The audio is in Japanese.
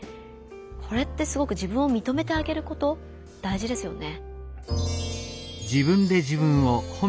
これってすごく自分をみとめてあげること大事ですよね。